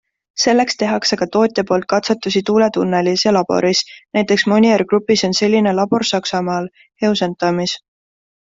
Selleks tehakse ka tootja poolt katsetusi tuuletunnelis ja laboris, näiteks Monier Grupis on selline labor Saksamaal, Heusentammis.